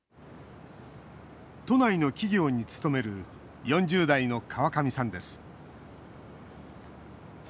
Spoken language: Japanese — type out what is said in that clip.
都内の企業に勤める４０代の川上さんです